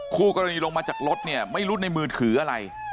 คู่กรณีลงมาจากรถเนี่ยไม่รู้ในมือถืออะไร